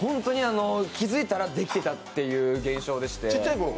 気付いたらできてたっていう現象でして。